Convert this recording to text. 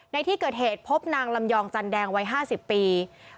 ในที่เกิดเหตุพบนางลำยองจันแดงวัย๕๐ปี